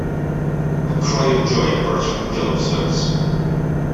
A cry of joy burst from Philip's lips.